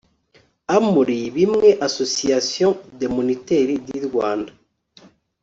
amr bimwe association des moniteurs du rwanda